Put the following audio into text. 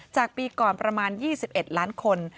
จากปีก่อนประมาณ๒๑ล้านคน